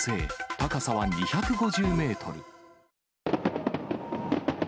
高さは２５０メートル。